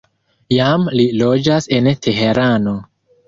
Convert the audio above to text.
Jam li loĝas en Teherano.